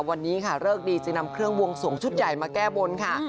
วันนี้ค่ะเลิกดีจึงนำเครื่องบวงสวงชุดใหญ่มาแก้บนค่ะ